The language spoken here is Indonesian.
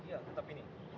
iya tetap ini